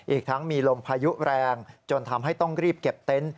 อีกทั้งมีลมพายุแรงจนทำให้ต้องรีบเก็บเต็นต์